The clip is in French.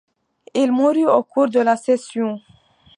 Il mourut au cours de la session.